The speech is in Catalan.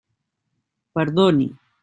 Perdoni.